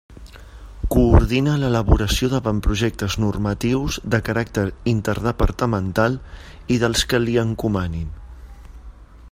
Coordina l'elaboració d'avantprojectes normatius de caràcter interdepartamental i dels que li encomanin.